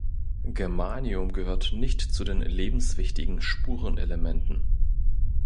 Germanium gehört nicht zu den lebenswichtigen Spurenelementen.